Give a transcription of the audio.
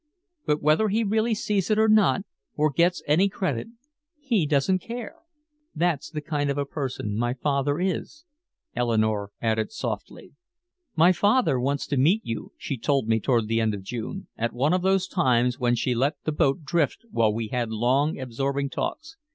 But whether he really sees it or not, or gets any credit, he doesn't care. "That's the kind of a person my father is," Eleanore added softly. "My father wants to meet you," she told me toward the end of June, at one of those times when she let the boat drift while we had long absorbing talks.